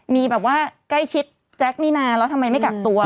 มีแบบว่าใกล้ชิดแจ๊คนี่นานแล้วทำไมไม่กักตัว